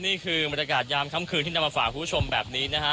นี่คือบรรยากาศยามค่ำคืนที่นำมาฝากคุณผู้ชมแบบนี้นะฮะ